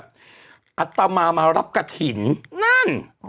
อัตมามารับกระถิ่นนั่น